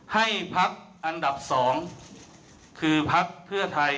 ให้ภักดิ์อันดับสองคือภักดิ์เพื่อไทย